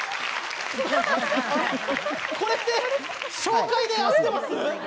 これって、紹介で合ってます？